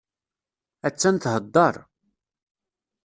Attan theddeṛ.